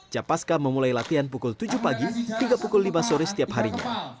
capaska memulai latihan pukul tujuh pagi hingga pukul lima sore setiap harinya